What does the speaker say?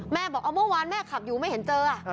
บอกเอาเมื่อวานแม่ขับอยู่ไม่เห็นเจอ